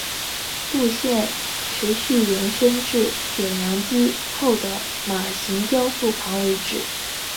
路线持续延伸至卷扬机后的马型雕塑旁为止。